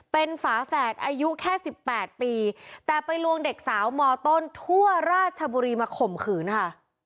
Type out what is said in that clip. เป็นฝาแฝดอายุแค่สิบแปดปีแต่ไปลวงเด็กสาวมต้นทั่วราชบุรีมาข่มขืนค่ะ